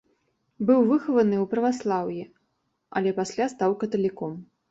Быў выхаваны ў праваслаўі, але пасля стаў каталіком.